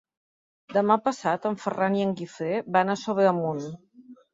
Demà passat en Ferran i en Guifré van a Sobremunt.